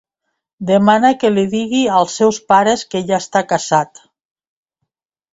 Demana que li digui als seus pares que ja està casat.